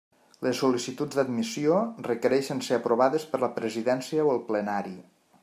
Les sol·licituds d'admissió requereixen ser aprovades per la presidència o el plenari.